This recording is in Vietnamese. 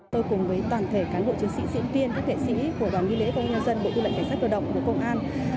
tôi cùng với toàn thể cán bộ chiến sĩ diễn viên các nghệ sĩ của đoàn nghi lễ công an nhân dân bộ tư lệnh cảnh sát cơ động bộ công an